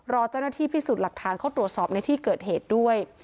รอเจ้าหน้าที่พิสูจน์หลักฐานเข้าตรวจสอบในที่เกิดเหตุด้วย